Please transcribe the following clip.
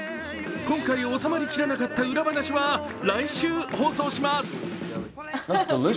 今回収まりきれなかった裏話は来週放送します。